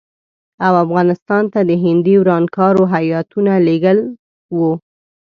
او افغانستان ته د هندي ورانکارو هیاتونه لېږل وو.